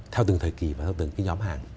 theo từng thời kỳ và theo từng nhóm hàng